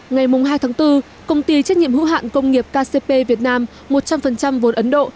ngày hai tháng bốn công ty trách nhiệm hữu hạn công nghiệp kcp việt nam một trăm linh vốn ấn độ